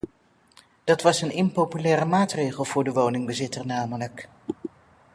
Dat was een impopulaire maatregel voor de woningbezitter, namelijk.